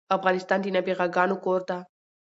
افغانستان د نابغه ګانو کور ده